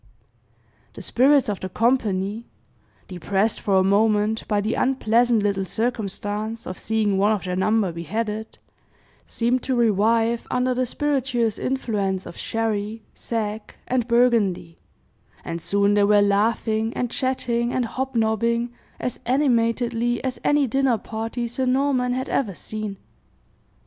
The spirits of the company depressed for a moment by the unpleasant little circumstance of seeing one of their number beheaded seemed to revive under the spirituous influence of sherry, sack, and burgundy; and soon they were laughing, and chatting, and hobnobbing, as animatedly as any dinner party Sir Norman had ever seen.